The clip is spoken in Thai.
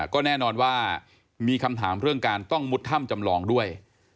ก็แน่นอนว่ามีคำถามเรื่องการต้องมุดถ้ำจำลองด้วย